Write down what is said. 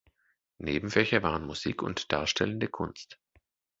Nebenfächer waren Musik und Darstellende Kunst.